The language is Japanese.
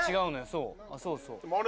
そうそうそう。